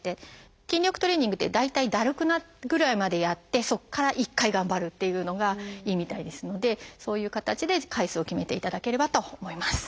筋力トレーニングって大体だるくなるぐらいまでやってそこから１回頑張るっていうのがいいみたいですのでそういう形で回数を決めていただければと思います。